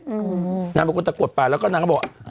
นางบอกว่าคนตะกรับป่าวแล้วก็นางบอก